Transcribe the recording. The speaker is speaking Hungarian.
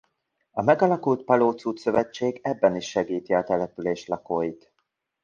A megalakult Palóc Út Szövetség ebben is segíti a település lakóit.